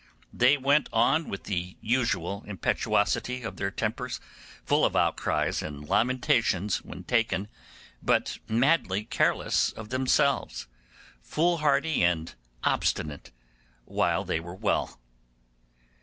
They went on with the usual impetuosity of their tempers, full of outcries and lamentations when taken, but madly careless of themselves, foolhardy and obstinate, while they were well.